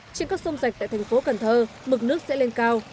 trên các sông rạch tại thành phố cần thơ mực nước sẽ lên cao